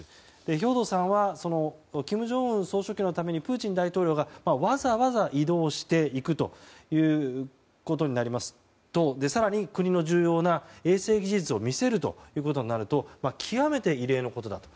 兵頭さんは金正恩総書記のためにプーチン大統領がわざわざ移動して行くということになりますと更に、国の重要な衛星技術を見せることになると極めて異例のことだと。